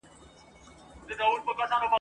پر اروا مي بد شګون دی نازوه مي !.